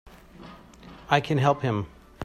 I can help him!